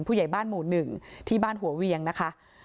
ผู้ใหญ่บ้านหมู่๑ที่บ้านหัวเวียงนะคะ